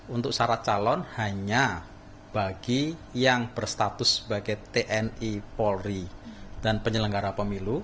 untuk syarat calon hanya bagi yang berstatus sebagai tni polri dan penyelenggara pemilu